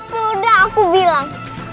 sudah aku bilang